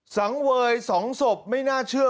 สังเวย๒ศพไม่น่าเชื่อ